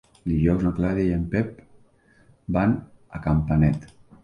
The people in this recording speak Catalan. Dijous na Clàudia i en Pep van a Campanet.